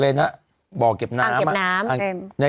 อะไรนะบ่าเก็บน้ำ